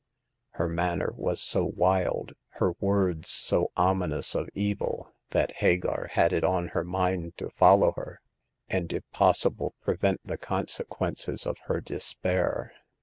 Her manner was so wUd, her words so ominous of evil, that Hagar The Second Customer. 83 had it on her mind to follow her, and, if possible, prevent the consequences of her despair.